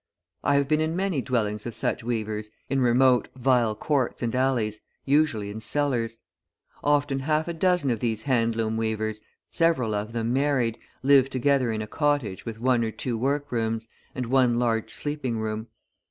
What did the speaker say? I have been in many dwellings of such weavers, in remote, vile courts and alleys, usually in cellars. Often half a dozen of these hand loom weavers, several of them married, live together in a cottage with one or two workrooms, and one large sleeping room.